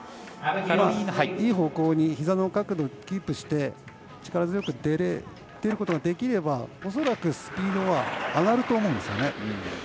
いい方向にひざの角度をキープして力強く出ることができれば恐らく、スピードは上がると思うんですよね。